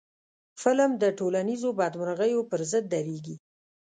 فلم د ټولنیزو بدمرغیو پر ضد درېږي